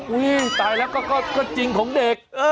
วิ้ตายแล้วก็จริงผมเด็ก